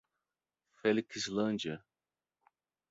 Felixlândia